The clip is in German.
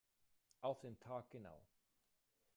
Auf den Tag genau.